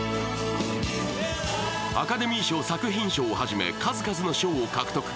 アカデミー賞作品賞を初め数々の賞を獲得。